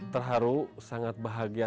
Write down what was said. terharu sangat bahagia